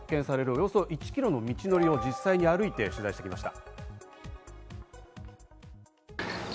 およそ１キロの道程を実際に歩いて取材しました。